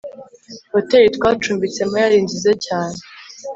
hoteri twacumbitsemo yari nziza cyane